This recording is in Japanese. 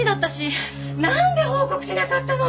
なんで報告しなかったの！？